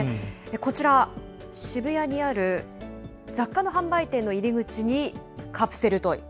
こちら、渋谷にある雑貨の販売店の入り口に、カプセルトイ。